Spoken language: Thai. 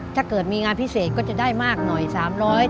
ถ้าเกิดมีงานพิเศษก็จะได้มากหน่อย๓๐๐บาท